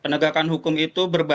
penegakan hukum itu berbeda